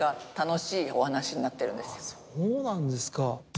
そうなんですか。